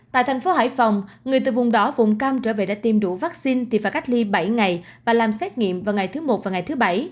tại thành phố hải phòng người từ vùng đỏ vùng cam trở về đã tiêm đủ vaccine thì phải cách ly bảy ngày và làm xét nghiệm vào ngày thứ một và ngày thứ bảy